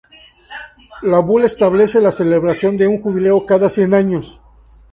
La bula establece la celebración de un jubileo cada cien años.